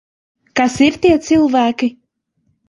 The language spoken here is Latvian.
Kas ir tie cilvēki?